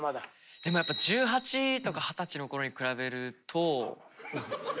でもやっぱ１８とか二十歳のころに比べるとやっぱ。